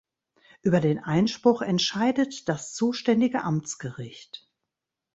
Über den Einspruch entscheidet das zuständige Amtsgericht.